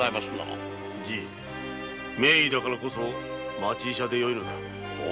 じい名医だからこそ町医者でよいのだ。